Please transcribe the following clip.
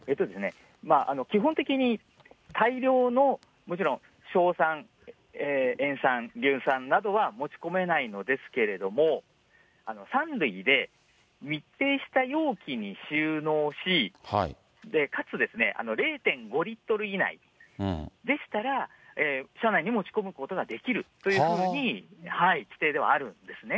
基本的に大量の、もちろん硝酸、塩酸、硫酸などは持ち込めないのですけれども、酸類で密閉した容器に収納し、かつ０．５リットル以内でしたら車内に持ち込むことができるというふうに規定ではあるんですね。